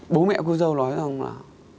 bố mẹ của dâu nói rằng là